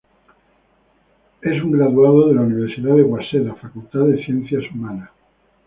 Él es un graduado de la Universidad de Waseda, Facultad de Ciencias Humanas.